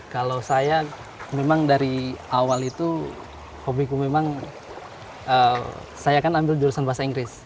kalau saya memang dari awal itu hobiku memang saya kan ambil jurusan bahasa inggris